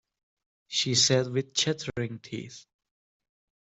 She said with chattering teeth.